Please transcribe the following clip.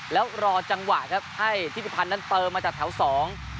แล้วรอจังหวะครับให้ทิศิพันธ์นั้นเติมมาจากแถวสอง